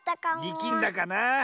りきんだかな。